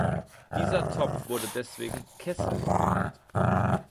Dieser Topf wurde deswegen "Kessel" genannt.